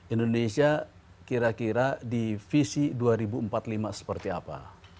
indonesia kira kira di visi dua ribu empat puluh lima seperti apa